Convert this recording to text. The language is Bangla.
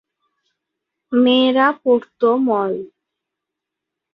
মেয়েরা পরত মল।